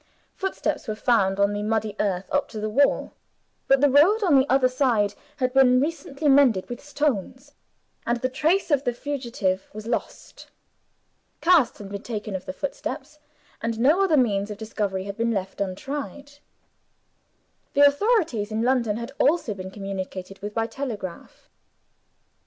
Foot steps were found on the muddy earth up to the wall. But the road on the other side had been recently mended with stones, and the trace of the fugitive was lost. Casts had been taken of the footsteps; and no other means of discovery had been left untried. The authorities in London had also been communicated with by telegraph.